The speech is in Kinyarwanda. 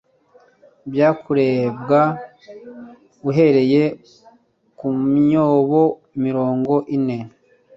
Bya kurebwa uhereye kumyobo mirongo ine